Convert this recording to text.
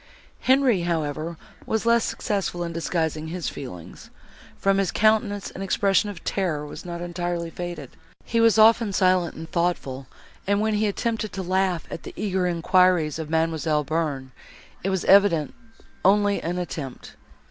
Henri, however, was less successful in disguising his feelings. From his countenance an expression of terror was not entirely faded; he was often silent and thoughtful, and when he attempted to laugh at the eager enquiries of Mademoiselle Bearn, it was evidently only an attempt.